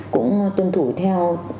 cũng tuân thủ theo